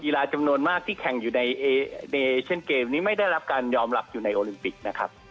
จำนวนมากที่แข่งอยู่ในเอเชนเกมนี้ไม่ได้รับการยอมรับอยู่ในโอลิมปิกนะครับ